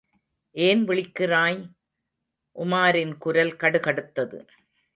ஏன் விழிக்கிறாய்? உமாரின் குரல் கடுகடுத்தது.